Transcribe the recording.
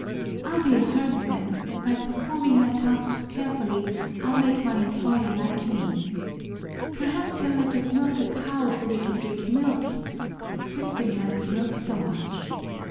I'll be a herdsman and by performing my tasks carefully I'll make my employer like me. Perhaps he'll let us milk a cow so that we can drink milk Crispin likes milk so much.